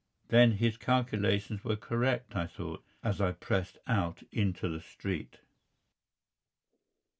"Then his calculations were correct," I thought, as I pressed out into the street.